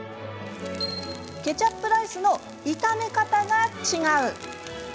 ケチャップライスの炒め方が違う！